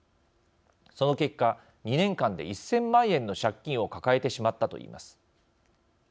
その結果２年間で１０００万円の借金を抱えてしまったといいます。